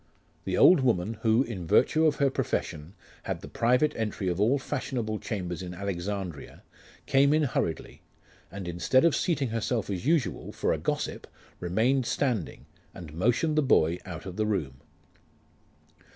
The old woman, who, in virtue of her profession, had the private entry of all fashionable chambers in Alexandria, came in hurriedly; and instead of seating herself as usual, for a gossip, remained standing, and motioned the boy out of the room.